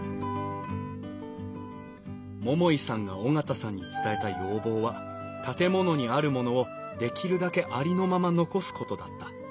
桃井さんが緒方さんに伝えた要望は建物にあるものをできるだけありのまま残すことだった。